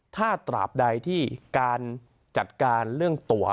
ถ้าตราบใดที่การจัดการเรื่องตัว